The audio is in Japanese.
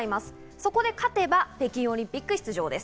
そこで勝てば北京オリンピック出場です。